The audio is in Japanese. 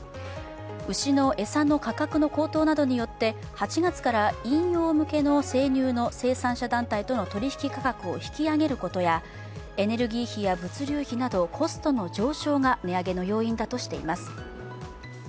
牛の餌の価格の高騰などによって８月から飲用向けの生乳の生産者団体との取引価格を引き上げることやエネルギー費や物流費などコストの上昇が値上げの要因だとしています。